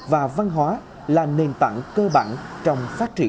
và văn hóa là nền tảng của chúng ta